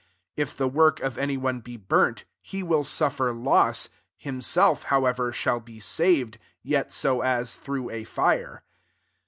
15 If the work f any one be burnt, he will ufier loss : himself, however, hall be saved ; yet so as hrough a iire.